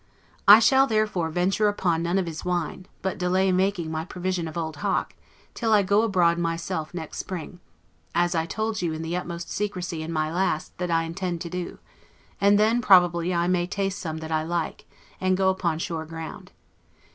I shall therefore venture upon none of his wine; but delay making my provision of Old Hock, till I go abroad myself next spring: as I told you in the utmost secrecy, in my last, that I intend to do; and then probably I may taste some that I like, and go upon sure ground.